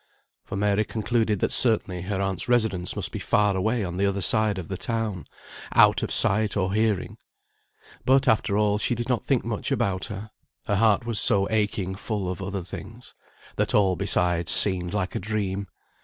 For Mary concluded that certainly her aunt's residence must be far away on the other side of the town, out of sight or hearing. But, after all, she did not think much about her; her heart was so aching full of other things, that all besides seemed like a dream.